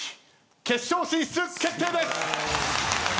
決勝進出決定です！